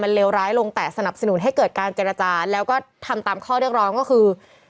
มันเลวร้ายลงแต่สนับสนุนให้เกิดการจราจารย์แล้วก็ทำตามข้อต้องก็คือ